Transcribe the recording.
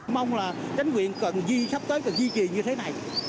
mong là tránh quyền cần duy sắp tới cần duy trì như thế này